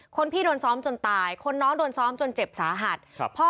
คนพี่โดนซ้อมจนตายคนน้องโดนซ้อมจนเจ็บสาหัสครับพ่อ